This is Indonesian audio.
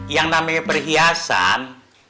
yang namanya perhiasan